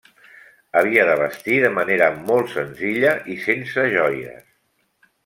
Havia de vestir de manera molt senzilla i sense joies.